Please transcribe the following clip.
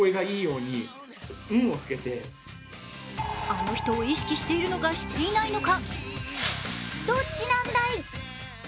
あの人を意識しているのか、していないのか、どっちなんだいっ！